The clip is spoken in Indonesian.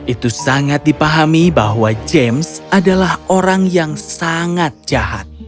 itu sangat dipahami bahwa james adalah orang yang sangat jahat